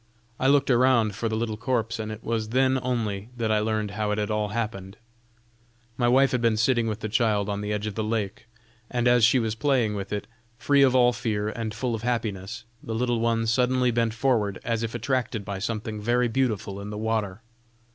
I looked around for the little corpse, and it was then only that I learned how it had all happened." "My wife had been sitting with the child on the edge of the lake, and as she was playing with it, free of all fear and full of happiness, the little one suddenly bent forward, as if attracted by something very beautiful in the water.